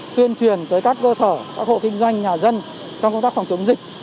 tuyên truyền tới các cơ sở các hộ kinh doanh nhà dân trong công tác phòng chống dịch